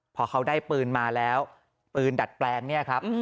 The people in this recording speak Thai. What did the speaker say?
พอเขาได้ปืนมาแล้วปืนดัดแปลงเนี่ยครับ